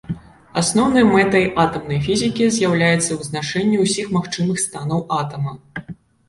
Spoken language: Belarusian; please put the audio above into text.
Асноўнай мэтай атамнай фізікі з'яўляецца вызначэнне ўсіх магчымых станаў атама.